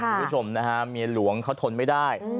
คุณผู้ชมนะฮะเมียหลวงเขาทนไม่ได้